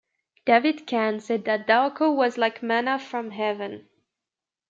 David Kahn said that Darko was like manna from heaven.